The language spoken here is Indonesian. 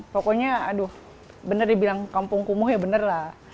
pokoknya aduh benar dibilang kampung kumuh ya bener lah